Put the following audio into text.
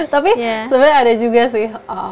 tapi sebenarnya ada juga sih